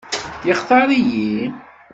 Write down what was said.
Yextaṛ-iyi?